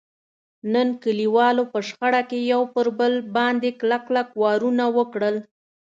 نن کلیوالو په شخړه کې یو پر بل باندې کلک کلک وارونه وکړل.